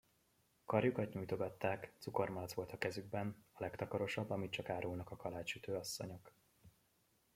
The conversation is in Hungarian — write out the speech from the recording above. Karjukat nyújtogatták, cukormalac volt a kezükben, a legtakarosabb, amit csak árulnak a kalácssütő asszonyok.